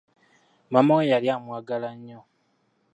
Maama we yali amwagala nnyo.